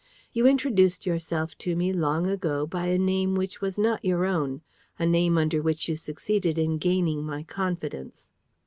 You introduced yourself to me long ago by a name which was not your own, a name under which you succeeded in gaining my confidence.